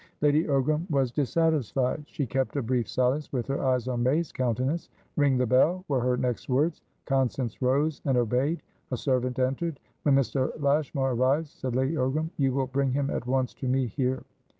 Lady Ogram was dissatisfied. She kept a brief silence, with her eyes on May's countenance. "Ring the bell," were her next words. Constance rose and obeyed. A servant entered. "When Mr. Lashmar arrives," said Lady Ogram, "you will bring him at once to me here."